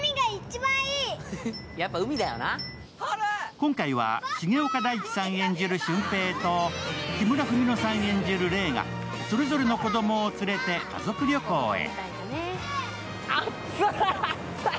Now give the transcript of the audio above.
今回は、重岡大毅さん演じる俊平と木村文乃さん演じる礼が、それぞれの子供を連れて家族旅行へ。